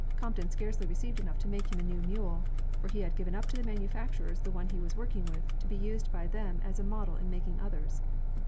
Crompton scarcely received enough to make him a new mule, for he had given up to the manufacturers the one he was working with, to be used by them as a model in making others.